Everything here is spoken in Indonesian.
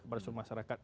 kepada semua masyarakat